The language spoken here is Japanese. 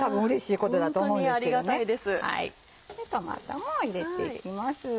トマトも入れていきます。